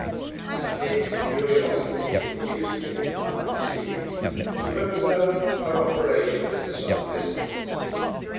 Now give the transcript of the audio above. Zadig's Curiosity induc'd him, unperceiv'd, to observe her Operations at some Distance.